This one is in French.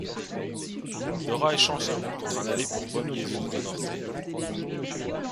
Dora échange sa montre contre un aller pour Bom Jesus do Norte.